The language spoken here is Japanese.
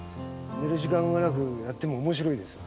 寝る時間がなくやっても面白いですよ